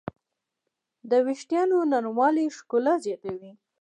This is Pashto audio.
د وېښتیانو نرموالی ښکلا زیاتوي.